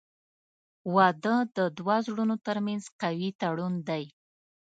• واده د دوه زړونو ترمنځ قوي تړون دی.